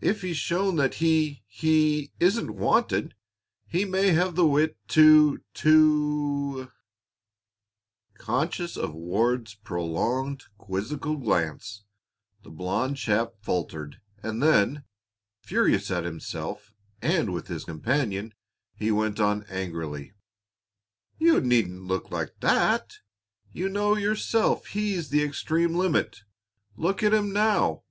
If he's shown that he he isn't wanted, he may have the wit to to " Conscious of Ward's prolonged, quizzical glance, the blond chap faltered, and then, furious at himself and with his companion, he went on angrily: "You needn't look like that. You know yourself he's the extreme limit. Look at him now!"